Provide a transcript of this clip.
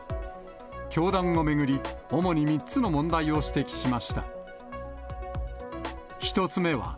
教団を巡り、主に３つの問題を指摘しました。